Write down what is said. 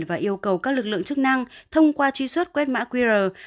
và yêu cầu các lực lượng chức năng thông qua truy quét quét mã qr